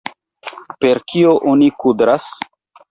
Per kio oni kudras?